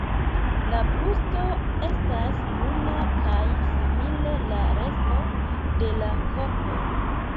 La brusto estas bruna kaj simile la resto de la korpo.